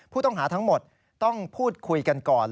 ผู้ต้องหาทั้งหมดต้องพูดคุยกันก่อน